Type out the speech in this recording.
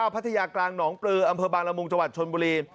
พัทยากลางหนองปลืออำเภอบางละมุงจังหวัดชนบุรี